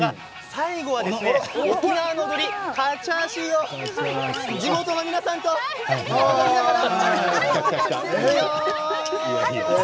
最後は沖縄の踊りカチャーシーを地元の皆さんと踊りながら。